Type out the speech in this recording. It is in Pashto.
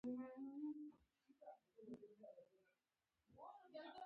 د قانون موخه د عدالت او نظم ټینګول وو.